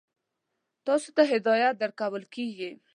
تاسو ته هدایت درکول کېږي.